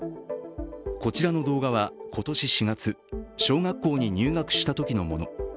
こちらの動画は今年４月小学校に入学したときのもの。